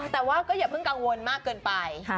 แต่ว่าก็อย่าเพิ่งกังวลมากเกินไป